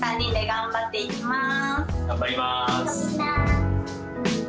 頑張りまーす。